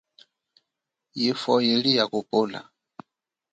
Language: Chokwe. Yifwo ili ya kupola.